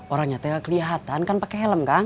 orangnya tega keliatan kan pake helm kang